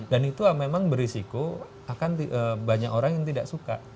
dan itu memang berisiko akan banyak orang yang tidak suka